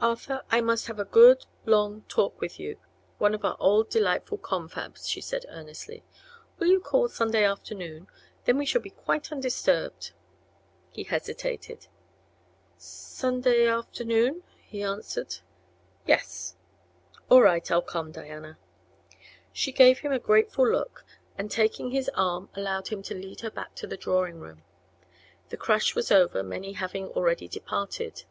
"Arthur, I must have a good long; talk with you one of our old, delightful confabs," she said, earnestly. "Will you call Sunday afternoon? Then we shall be quite undisturbed." He hesitated. "Sunday afternoon?" he answered. "Yes." "All right; I'll come, Diana." She gave him a grateful look and taking his arm allowed him to lead her back to the drawing room. The crush was over, many having already departed.